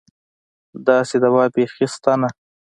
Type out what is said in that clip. داسې دوا بېخي شته نه.